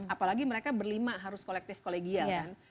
apalagi mereka berlima harus kolektif kolegial kan